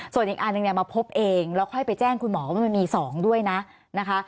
ส่วนอีกอันหนึ่งเนี่ยมาพบเองแล้วค่อยไปแจ้งคุณหมอว่ามันมี๒ด้วยนะนะคะ